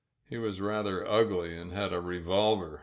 He was rather ugly and had a revolver.